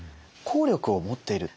効力を持っている。